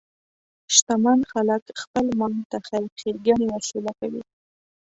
شتمن خلک خپل مال د خیر ښیګڼې وسیله کوي.